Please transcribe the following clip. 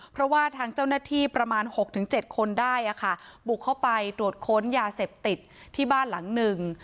เพราะว่าทางเจ้าหน้าที่ประมาณ๖๗คนได้บุกเข้าไปตรวจค้นยาเสพติดที่บ้านหลังหนึ่ง